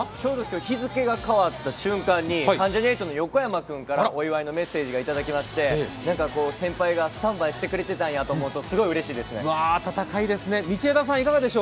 日付が変わった瞬間に関ジャニ∞の横山君からお祝いのメッセージをいただきまして、先輩がスタンバイしてくれたんだと思うとすごいうれしいですね。